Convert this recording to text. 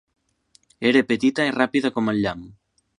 Era petita i ràpida com el llamp.